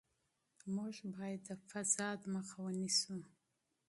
موږ باید د فساد مخه ونیسو.